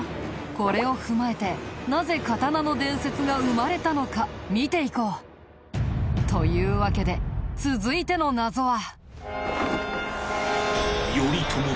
これを踏まえてなぜ刀の伝説が生まれたのか見ていこう。というわけで続いての謎は。